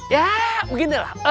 ya begini lah